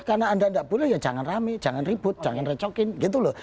karena anda tidak boleh ya jangan rame jangan ribut jangan recokin gitu loh